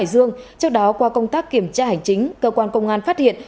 trước đó qua công tác kiểm tra hành chính cơ quan công an phát hiện